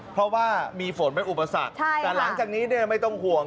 เพราะว่ามีฝนเป็นอุปสรรคแต่หลังจากนี้เนี่ยไม่ต้องห่วง